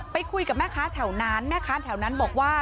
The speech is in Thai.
ไปคุยกับแม่ค้าแถวนั้นแม่ค้าแถวนั้นบอกว่า